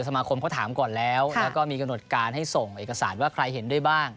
สมาคมเขาถามก่อนแล้วแล้วก็มีกำหนดการให้ส่งเอกสารว่าใครเห็นด้วยบ้าง